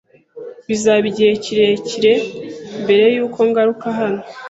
Bizaba igihe kirekire mbere yuko ngaruka hano.